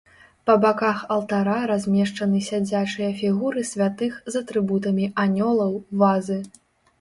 Па баках алтара размешчаны сядзячыя фігуры святых з атрыбутамі, анёлаў, вазы.